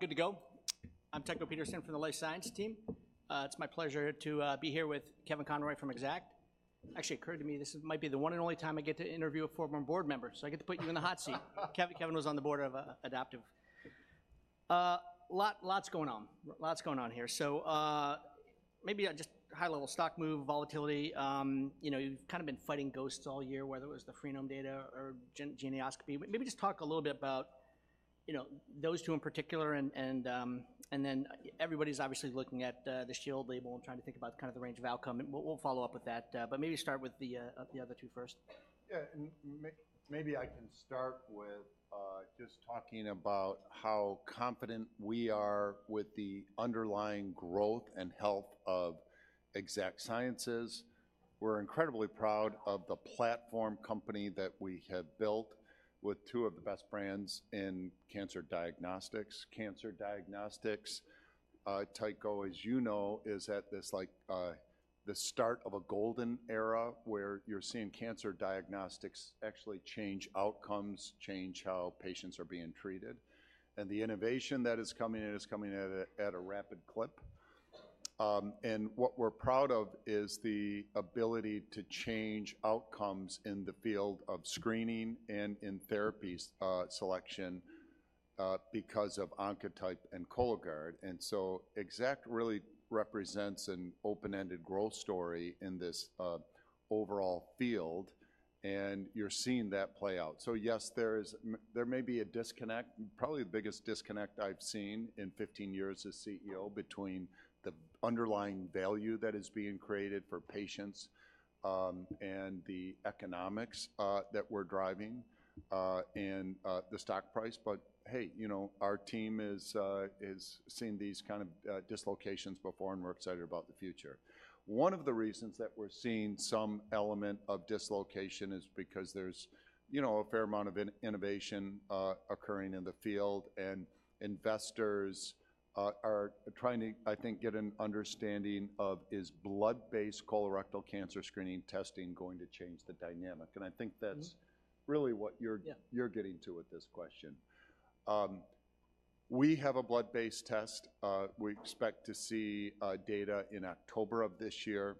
Good to go? I'm Tycho Peterson from the Life Science team. It's my pleasure to be here with Kevin Conroy from Exact. Actually, it occurred to me this might be the one and only time I get to interview a former board member, so I get to put you in the hot seat. Kevin, Kevin was on the board of Adaptive. Lots going on. Lots going on here. So, maybe just high level stock move, volatility, you know, you've kind of been fighting ghosts all year, whether it was the Freenome data or Geneoscopy. Maybe just talk a little bit about, you know, those two in particular and then everybody's obviously looking at the Shield label and trying to think about kind of the range of outcome, and we'll follow up with that, but maybe start with the other two first. Yeah, maybe I can start with just talking about how confident we are with the underlying growth and health of Exact Sciences. We're incredibly proud of the platform company that we have built with two of the best brands in cancer diagnostics. Cancer diagnostics, Tycho, as you know, is at this like the start of a golden era, where you're seeing cancer diagnostics actually change outcomes, change how patients are being treated, and the innovation that is coming in is coming at a rapid clip. And what we're proud of is the ability to change outcomes in the field of screening and in therapies selection because of Oncotype and Cologuard. And so, Exact really represents an open-ended growth story in this overall field, and you're seeing that play out. So yes, there may be a disconnect, probably the biggest disconnect I've seen in 15 years as CEO, between the underlying value that is being created for patients, and the economics that we're driving, and the stock price. But hey, you know, our team is seeing these kind of dislocations before, and we're excited about the future. One of the reasons that we're seeing some element of dislocation is because there's, you know, a fair amount of innovation occurring in the field, and investors are trying to, I think, get an understanding of, is blood-based colorectal cancer screening testing going to change the dynamic? I think that's really what you're- Yeah... you're getting to with this question. We have a blood-based test. We expect to see data in October of this year.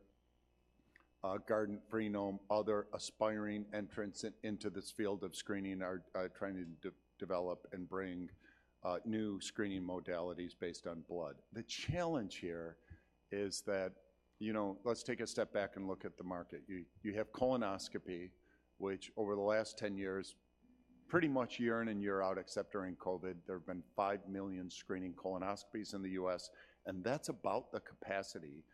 Guardant, Freenome, other aspiring entrants into this field of screening are trying to develop and bring new screening modalities based on blood. The challenge here is that... You know, let's take a step back and look at the market. You have colonoscopy, which over the last 10 years, pretty much year in and year out, except during COVID, there have been 5 million screening colonoscopies in the U.S., and that's about the capacity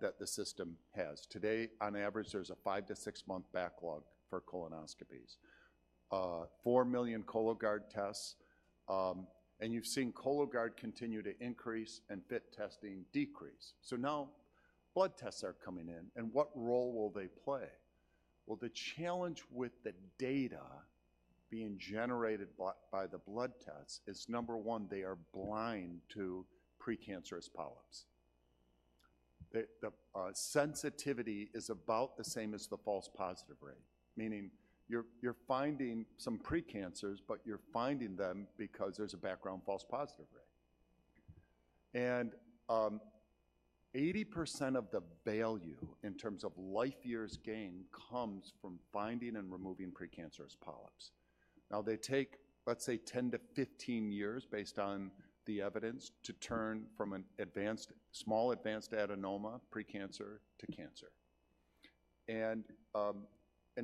that the system has. Today, on average, there's a 5- to 6-month backlog for colonoscopies. Four million Cologuard tests, and you've seen Cologuard continue to increase and FIT testing decrease. So now, blood tests are coming in, and what role will they play? Well, the challenge with the data being generated by the blood tests is, number 1, they are blind to precancerous polyps. The sensitivity is about the same as the false positive rate, meaning you're finding some precancers, but you're finding them because there's a background false positive rate. And 80% of the value in terms of life years gain comes from finding and removing precancerous polyps. Now, they take, let's say, 10-15 years, based on the evidence, to turn from a small advanced adenoma precancer to cancer. And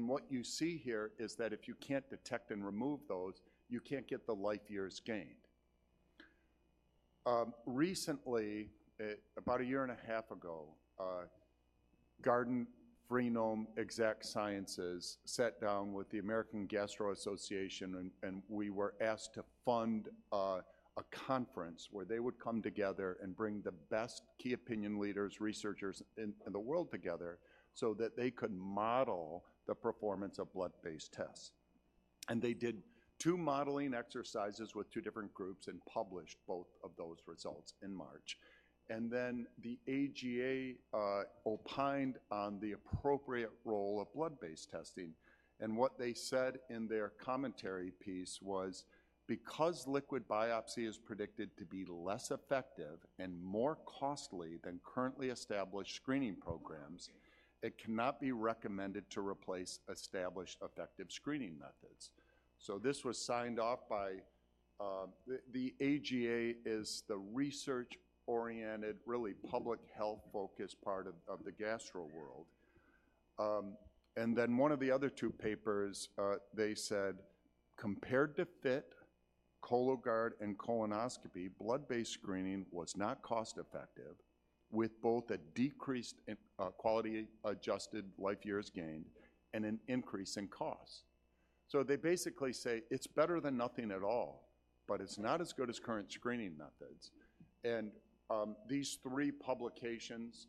what you see here is that if you can't detect and remove those, you can't get the life years gained. Recently, about a year and a half ago, Guardant, Freenome, Exact Sciences sat down with the American Gastroenterological Association, and we were asked to fund a conference where they would come together and bring the best key opinion leaders, researchers in the world together so that they could model the performance of blood-based tests. And they did two modeling exercises with two different groups and published both of those results in March. And then the AGA opined on the appropriate role of blood-based testing, and what they said in their commentary piece was, "Because liquid biopsy is predicted to be less effective and more costly than currently established screening programs, it cannot be recommended to replace established effective screening methods." So this was signed off by... The AGA is the research-oriented, really public health-focused part of the gastro world. And then one of the other two papers, they said, "Compared to FIT, Cologuard, and colonoscopy, blood-based screening was not cost-effective, with both a decreased quality-adjusted life years gained and an increase in cost." So they basically say it's better than nothing at all, but it's not as good as current screening methods. And these three publications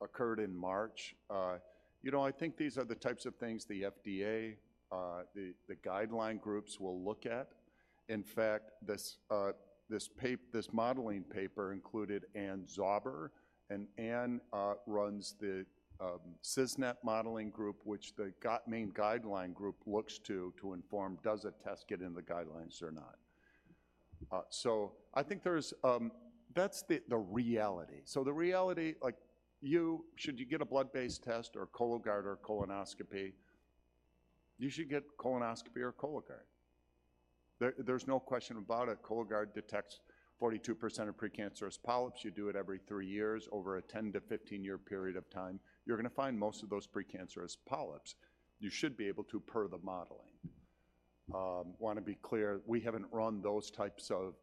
occurred in March. You know, I think these are the types of things the FDA, the guideline groups will look at. In fact, this modeling paper included Ann Zauber, and Ann runs the CISNET modeling group, which the main guideline group looks to, to inform, does a test get in the guidelines or not? So I think that's the reality. So the reality, like, you, should you get a blood-based test or Cologuard or colonoscopy? You should get colonoscopy or Cologuard. There's no question about it. Cologuard detects 42% of precancerous polyps. You do it every 3 years over a 10-15-year period of time, you're gonna find most of those precancerous polyps. You should be able to per the modeling. Wanna be clear, we haven't run those types of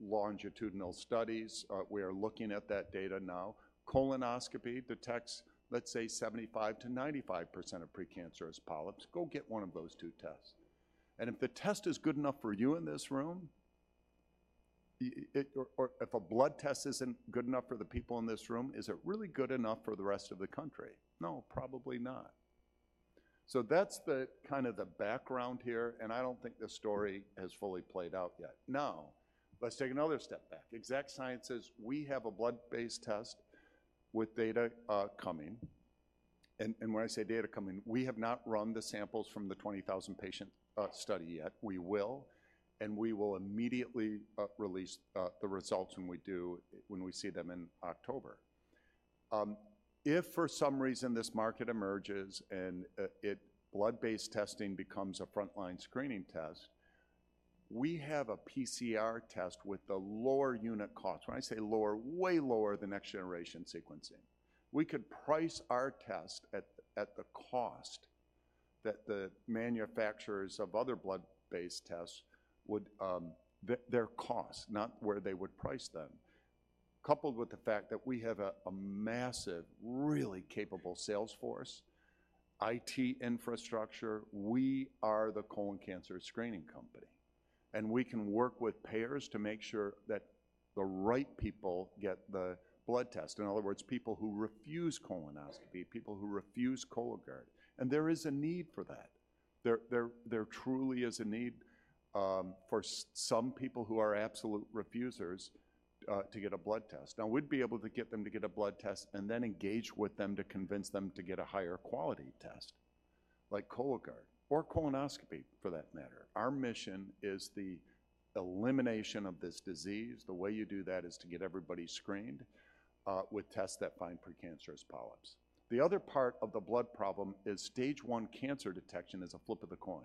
longitudinal studies. We are looking at that data now. Colonoscopy detects, let's say, 75%-95% of precancerous polyps. Go get one of those 2 tests. And if the test is good enough for you in this room, or if a blood test isn't good enough for the people in this room, is it really good enough for the rest of the country? No, probably not. So that's the kind of the background here, and I don't think the story has fully played out yet. Now, let's take another step back. Exact Sciences, we have a blood-based test with data coming, and when I say data coming, we have not run the samples from the 20,000 patient study yet. We will, and we will immediately release the results when we do, when we see them in October. If for some reason this market emerges and blood-based testing becomes a frontline screening test, we have a PCR test with a lower unit cost. When I say lower, way lower than next-generation sequencing. We could price our test at the cost that the manufacturers of other blood-based tests would. Their cost, not where they would price them. Coupled with the fact that we have a massive, really capable sales force, IT infrastructure, we are the colon cancer screening company, and we can work with payers to make sure that the right people get the blood test. In other words, people who refuse colonoscopy, people who refuse Cologuard, and there is a need for that. There truly is a need for some people who are absolute refusers to get a blood test. Now, we'd be able to get them to get a blood test and then engage with them to convince them to get a higher quality test, like Cologuard or colonoscopy, for that matter. Our mission is the elimination of this disease. The way you do that is to get everybody screened with tests that find precancerous polyps. The other part of the blood problem is stage one cancer detection is a flip of the coin.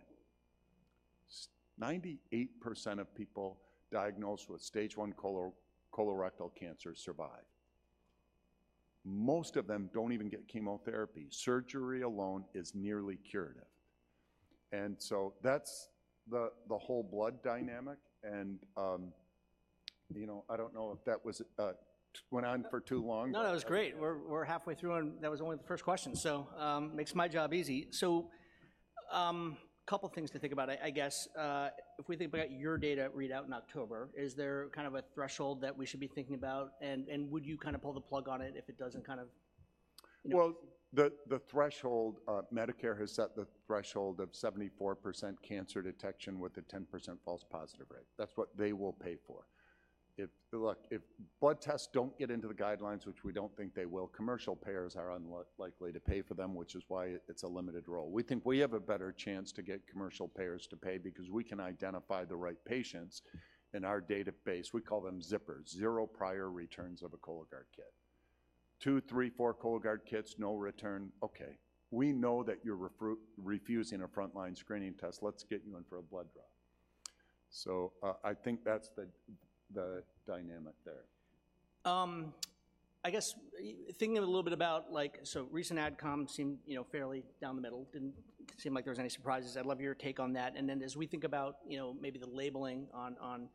98% of people diagnosed with stage one colorectal cancer survive. Most of them don't even get chemotherapy. Surgery alone is nearly curative. And so that's the whole blood dynamic and, you know, I don't know if that was went on for too long. No, no, it was great. We're halfway through, and that was only the first question. So, makes my job easy. So, couple things to think about. I guess if we think about your data readout in October, is there kind of a threshold that we should be thinking about, and would you kind of pull the plug on it if it doesn't kind of, you know- Well, the threshold Medicare has set is 74% cancer detection with a 10% false positive rate. That's what they will pay for. If—look, if blood tests don't get into the guidelines, which we don't think they will, commercial payers are unlikely to pay for them, which is why it's a limited role. We think we have a better chance to get commercial payers to pay because we can identify the right patients in our database. We call them ZPRs, Zero Prior Returns of a Cologuard kit. 2, 3, 4 Cologuard kits, no return? Okay, we know that you're refusing a frontline screening test. Let's get you in for a blood draw. So, I think that's the dynamic there. I guess thinking a little bit about, like... So recent AdCom seemed, you know, fairly down the middle. Didn't seem like there was any surprises. I'd love your take on that, and then as we think about, you know, maybe the labeling on, on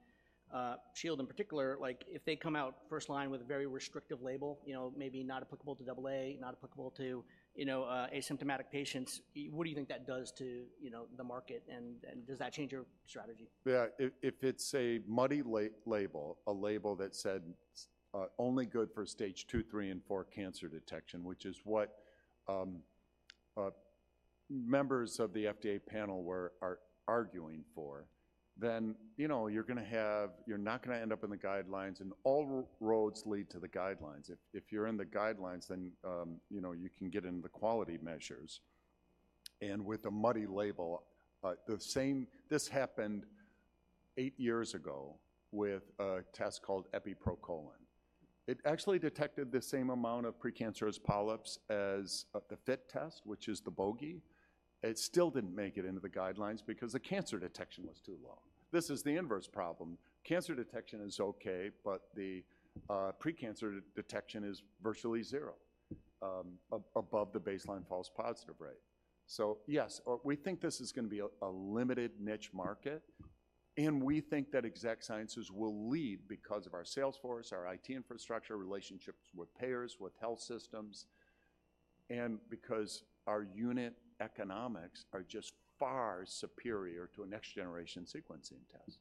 Shield in particular, like, if they come out first line with a very restrictive label, you know, maybe not applicable to AA, not applicable to, you know, asymptomatic patients, what do you think that does to, you know, the market, and, and does that change your strategy? Yeah. If it's a muddy label, a label that said only good for stage 2, 3, and 4 cancer detection, which is what members of the FDA panel are arguing for, then, you know, you're gonna have, you're not gonna end up in the guidelines, and all roads lead to the guidelines. If you're in the guidelines, then, you know, you can get into the quality measures, and with a muddy label, the same... This happened 8 years ago with a test called Epi proColon. It actually detected the same amount of precancerous polyps as the FIT test, which is the bogey. It still didn't make it into the guidelines because the cancer detection was too low. This is the inverse problem. Cancer detection is okay, but the pre-cancer detection is virtually zero above the baseline false positive rate. So yes, we think this is gonna be a limited niche market, and we think that Exact Sciences will lead because of our sales force, our IT infrastructure, relationships with payers, with health systems, and because our unit economics are just far superior to a next-generation sequencing test.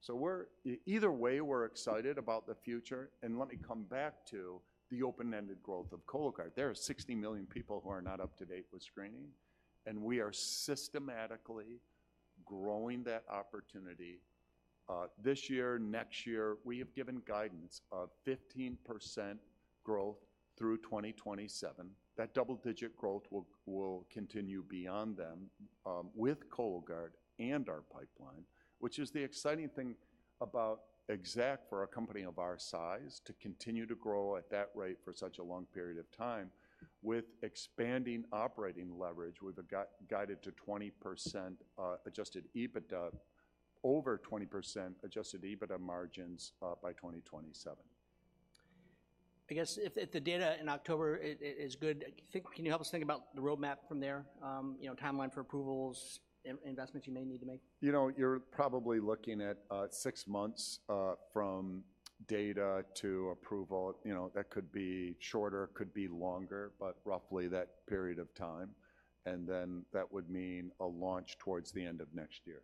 So we're either way, we're excited about the future, and let me come back to the open-ended growth of Cologuard. There are 60 million people who are not up to date with screening, and we are systematically growing that opportunity this year, next year, we have given guidance of 15% growth through 2027. That double-digit growth will continue beyond them with Cologuard and our pipeline, which is the exciting thing about Exact for a company of our size, to continue to grow at that rate for such a long period of time with expanding operating leverage. We've got guided to 20% Adjusted EBITDA, over 20% Adjusted EBITDA margins by 2027. I guess if the data in October is good, can you help us think about the roadmap from there? You know, timeline for approvals, investments you may need to make. You know, you're probably looking at six months from data to approval. You know, that could be shorter, could be longer, but roughly that period of time, and then that would mean a launch towards the end of next year.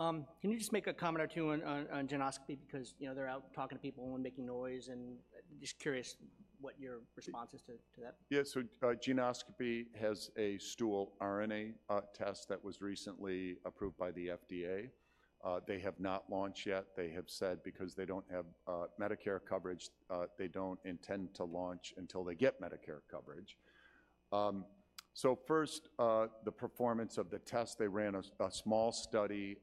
Can you just make a comment or two on Geneoscopy? Because, you know, they're out talking to people and making noise, and just curious what your response is to that. Yeah. So, Geneoscopy has a stool RNA test that was recently approved by the FDA. They have not launched yet. They have said because they don't have Medicare coverage, they don't intend to launch until they get Medicare coverage. So first, the performance of the test, they ran a small study.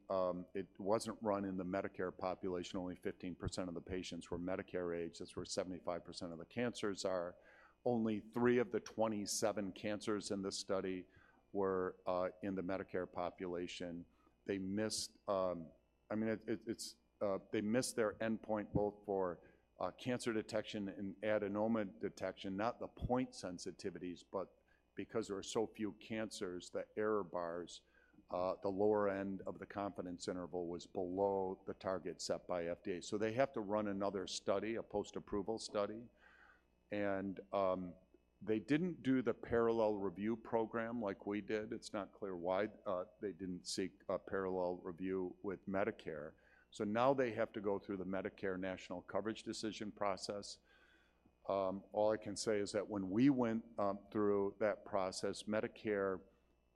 It wasn't run in the Medicare population. Only 15% of the patients were Medicare age. That's where 75% of the cancers are. Only 3 of the 27 cancers in this study were in the Medicare population. They missed... I mean, they missed their endpoint both for cancer detection and adenoma detection, not the point sensitivities, but because there were so few cancers, the error bars, the lower end of the confidence interval was below the target set by FDA. So they have to run another study, a post-approval study, and they didn't do the parallel review program like we did. It's not clear why they didn't seek a parallel review with Medicare. So now they have to go through the Medicare national coverage decision process. All I can say is that when we went through that process, Medicare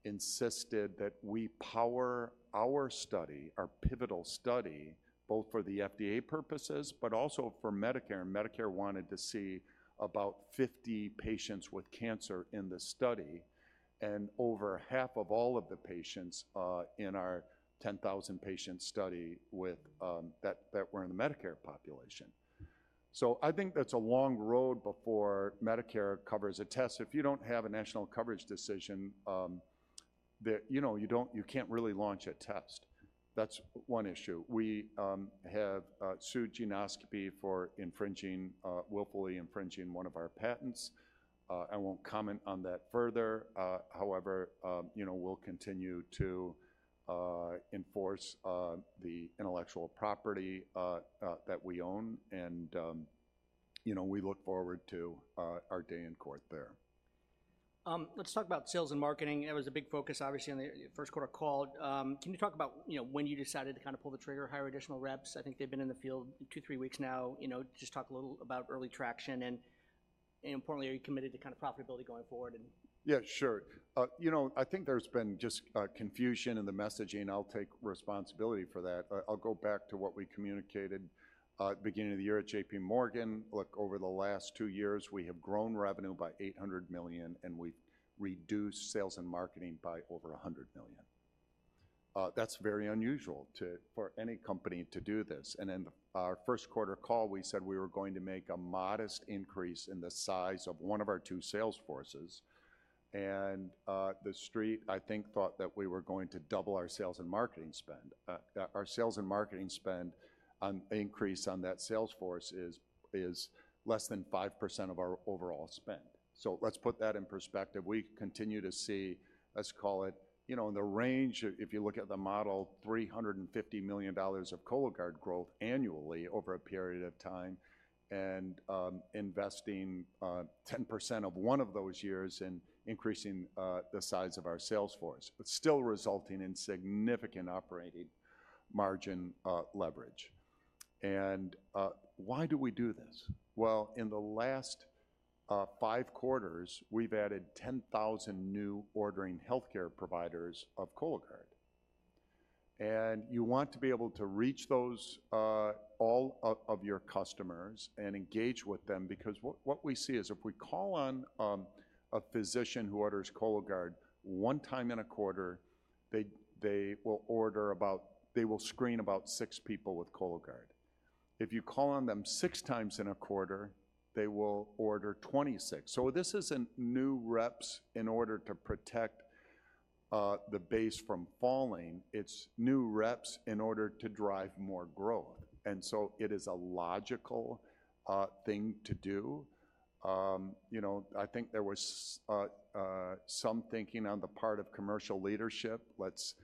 insisted that we power our study, our pivotal study, both for the FDA purposes, but also for Medicare. Medicare wanted to see about 50 patients with cancer in the study, and over half of all of the patients in our 10,000 patient study with that were in the Medicare population. So I think that's a long road before Medicare covers a test. If you don't have a national coverage decision, then, you know, you don't you can't really launch a test. That's one issue. We have sued Geneoscopy for infringing, willfully infringing one of our patents. I won't comment on that further. However, you know, we look forward to our day in court there. Let's talk about sales and marketing. It was a big focus, obviously, on the first quarter call. Can you talk about, you know, when you decided to kind of pull the trigger, hire additional reps? I think they've been in the field 2, 3 weeks now. You know, just talk a little about early traction, and importantly, are you committed to kind of profitability going forward and- Yeah, sure. You know, I think there's been just confusion in the messaging. I'll take responsibility for that. I'll go back to what we communicated, beginning of the year at J.P. Morgan. Look, over the last two years, we have grown revenue by $800 million, and we've reduced sales and marketing by over $100 million. That's very unusual for any company to do this, and in our first quarter call, we said we were going to make a modest increase in the size of one of our two sales forces. The Street, I think, thought that we were going to double our sales and marketing spend. Our sales and marketing spend increase on that sales force is less than 5% of our overall spend. So let's put that in perspective. We continue to see, let's call it, you know, in the range, if you look at the model, $350 million of Cologuard growth annually over a period of time and investing 10% of one of those years in increasing the size of our sales force, but still resulting in significant operating margin leverage. Why do we do this? Well, in the last five quarters, we've added 10,000 new ordering healthcare providers of Cologuard, and you want to be able to reach those all of your customers and engage with them. Because what we see is, if we call on a physician who orders Cologuard one time in a quarter, they will order about, they will screen about six people with Cologuard. If you call on them six times in a quarter, they will order 26. So this isn't new reps in order to protect the base from falling. It's new reps in order to drive more growth, and so it is a logical thing to do. You know, I think there was some thinking on the part of commercial leadership, "Let's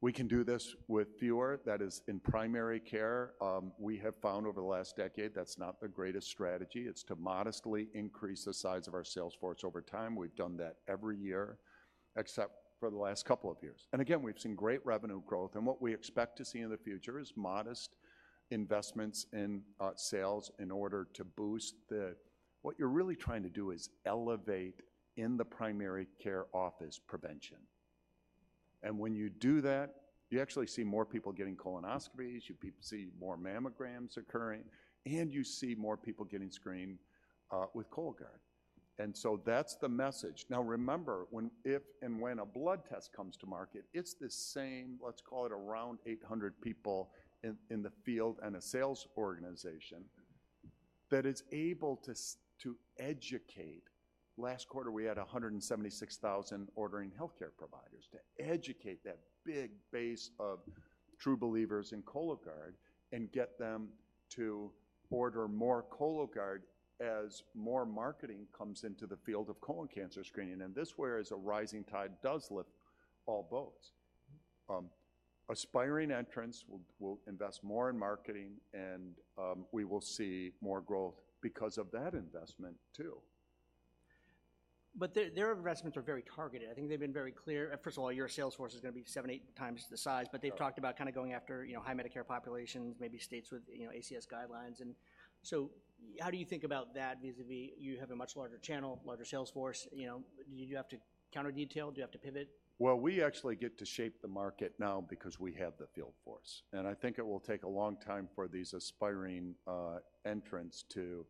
we can do this with fewer," that is, in primary care. We have found over the last decade that's not the greatest strategy. It's to modestly increase the size of our sales force over time. We've done that every year, except for the last couple of years. And again, we've seen great revenue growth, and what we expect to see in the future is modest investments in sales in order to boost the... What you're really trying to do is elevate in the primary care office prevention. And when you do that, you actually see more people getting colonoscopies, you see more mammograms occurring, and you see more people getting screened with Cologuard. And so that's the message. Now, remember, when, if and when a blood test comes to market, it's the same, let's call it around 800 people in the field and a sales organization that is able to educate. Last quarter, we had 176,000 ordering healthcare providers. To educate that big base of true believers in Cologuard and get them to order more Cologuard as more marketing comes into the field of colon cancer screening, and this is where a rising tide does lift all boats. Aspiring entrants will invest more in marketing, and we will see more growth because of that investment too. But their investments are very targeted. I think they've been very clear. First of all, your sales force is gonna be 7-8 times the size- Right. But they've talked about kinda going after, you know, high Medicare populations, maybe states with, you know, ACS guidelines, and so how do you think about that vis-à-vis you have a much larger channel, larger sales force, you know? Do you have to counter detail? Do you have to pivot? Well, we actually get to shape the market now because we have the field force, and I think it will take a long time for these aspiring entrants to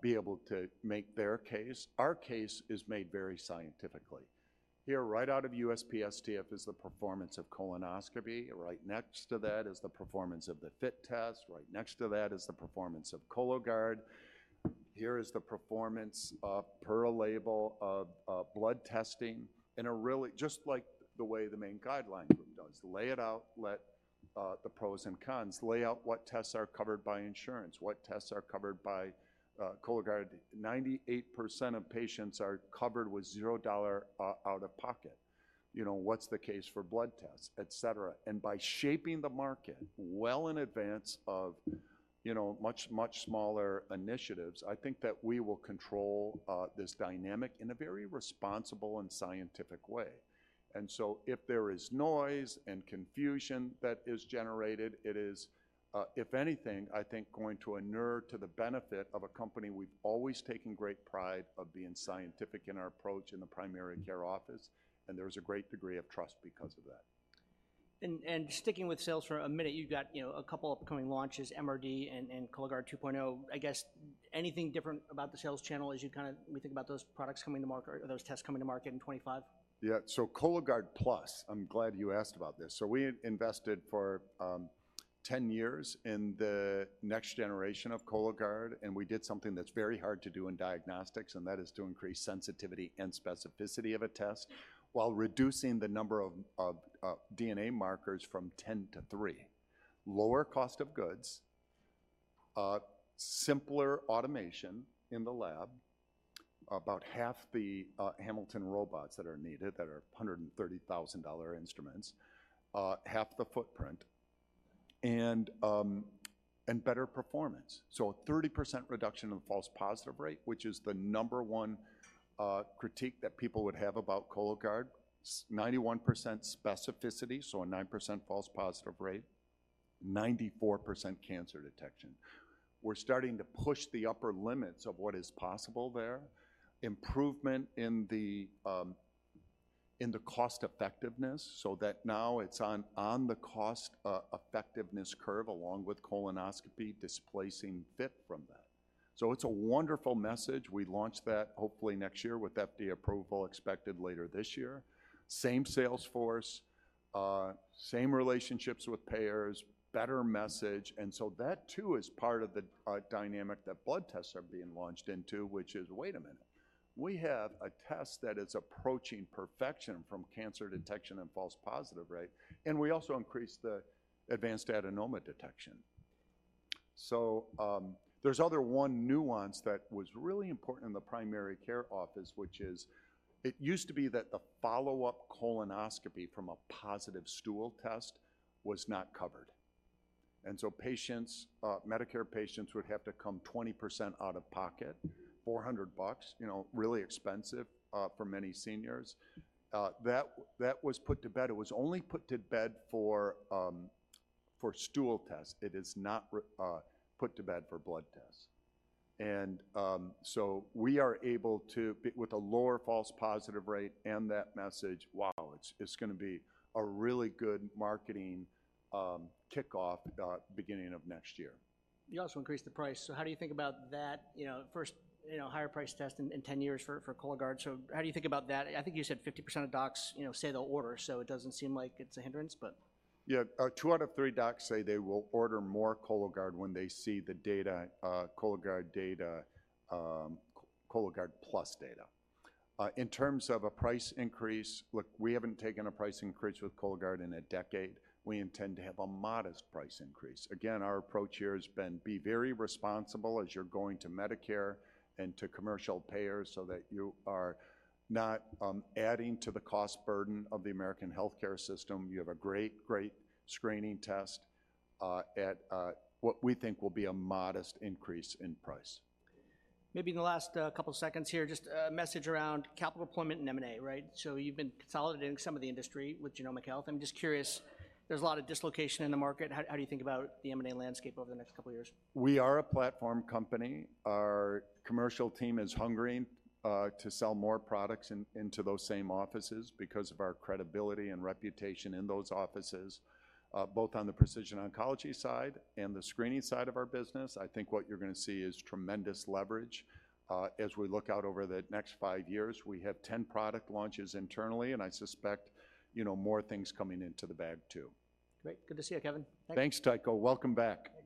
be able to make their case. Our case is made very scientifically. Here, right out of USPSTF is the performance of colonoscopy. Right next to that is the performance of the FIT test. Right next to that is the performance of Cologuard. Here is the performance per label of blood testing in a really just like the way the main guideline group does. Lay it out, let the pros and cons, lay out what tests are covered by insurance, what tests are covered by Cologuard. 98% of patients are covered with $0 out of pocket. You know, what's the case for blood tests, et cetera. By shaping the market well in advance of, you know, much, much smaller initiatives, I think that we will control this dynamic in a very responsible and scientific way. So if there is noise and confusion that is generated, it is, if anything, I think going to inure to the benefit of a company. We've always taken great pride of being scientific in our approach in the primary care office, and there's a great degree of trust because of that. And sticking with sales for a minute, you've got, you know, a couple upcoming launches, MRD and Cologuard 2.0. I guess anything different about the sales channel as you kinda we think about those products coming to market or those tests coming to market in 2025? Yeah. So Cologuard Plus, I'm glad you asked about this. So we invested for 10 years in the next generation of Cologuard, and we did something that's very hard to do in diagnostics, and that is to increase sensitivity and specificity of a test while reducing the number of DNA markers from 10 to 3. Lower cost of goods, simpler automation in the lab, about half the Hamilton robots that are needed, that are $130,000 instruments, half the footprint, and better performance. So a 30% reduction in the false positive rate, which is the number one critique that people would have about Cologuard. 91% specificity, so a 9% false positive rate, 94% cancer detection. We're starting to push the upper limits of what is possible there. Improvement in the cost effectiveness, so that now it's on the cost effectiveness curve, along with colonoscopy, displacing FIT from that. So it's a wonderful message. We launch that hopefully next year, with FDA approval expected later this year. Same sales force, same relationships with payers, better message, and so that too is part of the dynamic that blood tests are being launched into, which is, "Wait a minute. We have a test that is approaching perfection from cancer detection and false positive rate," and we also increased the advanced adenoma detection. So, there's other one nuance that was really important in the primary care office, which is it used to be that the follow-up colonoscopy from a positive stool test was not covered. Patients, Medicare patients would have to come 20% out of pocket, $400 bucks, you know, really expensive for many seniors. That was put to bed. It was only put to bed for stool tests. It is not put to bed for blood tests. So we are able to with a lower false positive rate and that message, wow, it's gonna be a really good marketing kickoff beginning of next year. You also increased the price, so how do you think about that? You know, first, you know, higher priced test in 10 years for Cologuard, so how do you think about that? I think you said 50% of docs, you know, say they'll order, so it doesn't seem like it's a hindrance, but... Yeah. Two out of three docs say they will order more Cologuard when they see the data, Cologuard data, Cologuard Plus data. In terms of a price increase, look, we haven't taken a price increase with Cologuard in a decade. We intend to have a modest price increase. Again, our approach here has been be very responsible as you're going to Medicare and to commercial payers so that you are not, adding to the cost burden of the American healthcare system. You have a great, great screening test, at, what we think will be a modest increase in price. Maybe in the last couple seconds here, just a message around capital deployment and M&A, right? So you've been consolidating some of the industry with Genomic Health. I'm just curious, there's a lot of dislocation in the market, how do you think about the M&A landscape over the next couple of years? We are a platform company. Our commercial team is hungering to sell more products into those same offices because of our credibility and reputation in those offices. Both on the precision oncology side and the screening side of our business, I think what you're gonna see is tremendous leverage. As we look out over the next 5 years, we have 10 product launches internally, and I suspect, you know, more things coming into the bag too. Great. Good to see you, Kevin. Thank you. Thanks, Tycho. Welcome back.